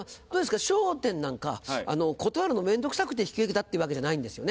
『笑点』なんか断るの面倒くさくて引き受けたっていうわけじゃないんですよね？